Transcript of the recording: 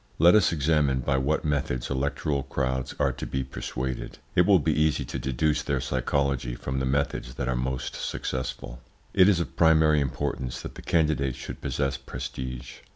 Let us examine by what methods electoral crowds are to be persuaded. It will be easy to deduce their psychology from the methods that are most successful. It is of primary importance that the candidate should possess prestige.